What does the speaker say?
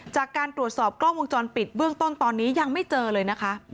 จากการตรวจสอบกล้องวงจรปิดเบื้องต้นตอนนี้ยังไม่เจอเลยนะคะ